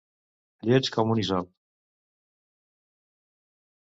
Lleig com un Isop.